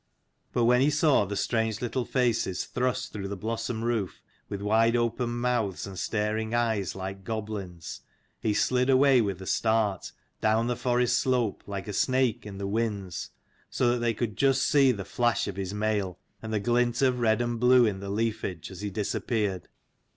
But when he saw the strange little faces thrust through the blossom roof, with wide opened mouths and staring eyes like goblins, he slid away with a start, down the forest slope, like a snake in the whins, so that they could just see the flash of his mail and the glint of red and blue in the leafage as he disappeared.